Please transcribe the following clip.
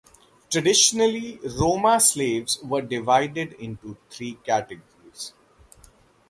Traditionally, Roma slaves were divided into three categories.